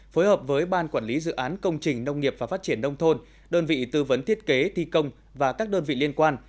phối hợp với ban quản lý dự án công trình nông nghiệp và phát triển nông thôn đơn vị tư vấn thiết kế thi công và các đơn vị liên quan